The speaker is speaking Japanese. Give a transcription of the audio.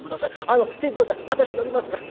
あの船頭さん私乗りますから」。